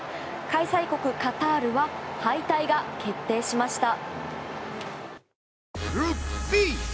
開催国カタールは敗退が決定しました。